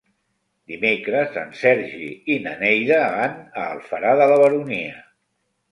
Dimecres en Sergi i na Neida van a Alfara de la Baronia.